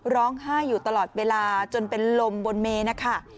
ร้องไห้อยู่ตลอดเวลาจนเป็นลมบนเมนนะคะ